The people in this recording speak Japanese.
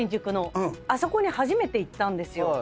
あそこに初めて行ったんですよ。